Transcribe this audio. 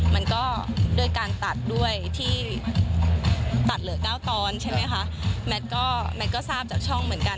มันก็ด้วยการตัดด้วยที่ตัดเหลือเก้าตอนใช่ไหมคะแมทก็แมทก็ทราบจากช่องเหมือนกัน